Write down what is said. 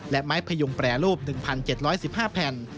และไม้พยุงแปรรูป๑๗๑๕แผ่น